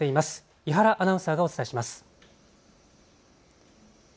伊原アナウンサーがお伝えします。